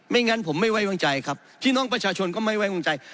งั้นผมไม่ไว้วางใจครับพี่น้องประชาชนก็ไม่ไว้วางใจ